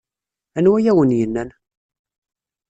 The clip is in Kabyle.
Anwa ay awen-yennan?